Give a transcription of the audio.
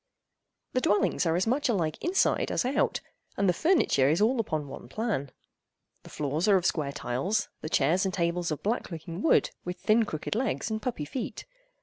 The dwellings are as much alike inside as out, and the furniture is all upon one plan. The floors are of square tiles, the chairs and tables of black looking wood with thin crooked legs and puppy feet.